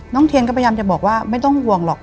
เทียนก็พยายามจะบอกว่าไม่ต้องห่วงหรอก